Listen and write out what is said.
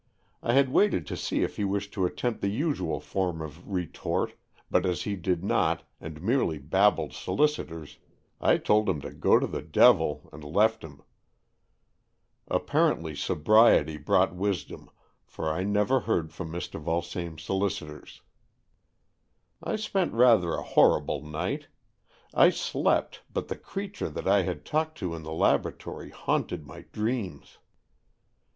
I had waited to see if he wished to attempt the usual form of retort, but as he did not, and merely babbled solicitors, I told him to go to the devil, and left him. Apparently sobriety AN EXCHANGE OF SOULS 191 brought wisdom, for I never heard from Mr. Vulsame's solicitors. I spent rather a horrible night. I slept, but the creature that I had talked to in the laboratory haunted my dreams.